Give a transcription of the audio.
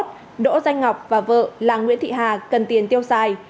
đỗ danh ngọc và vợ là nguyễn thị hà cần tiền tiêu xài